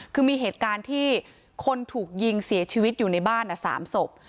คือมีเหตุการณ์ที่คนถูกยิงเสียชีวิตอยู่ในบ้าน๓ศพ